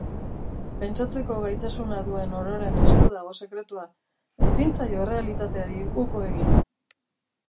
Pentsatzeko gaitasuna duen ororen esku dago sekretua, ezin zaio errealitateari uko egin!